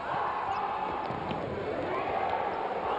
สวัสดีทุกคน